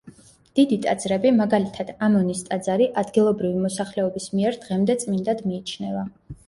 დიდი ტაძრები, მაგალითად ამონის ტაძარი ადგილობრივი მოსახლეობის მიერ დღემდე წმინდად მიიჩნევა.